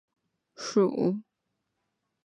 细纹蚬蝶属是蚬蝶亚科蚬蝶族里的一个属。